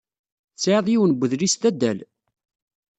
Tesɛiḍ yiwen n wedlis d adal.